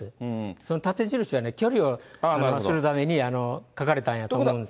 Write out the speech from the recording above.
その縦印はね、距離をするために、描かれたんやと思うんです。